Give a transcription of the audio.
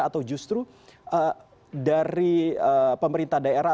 atau justru dari pemerintah daerah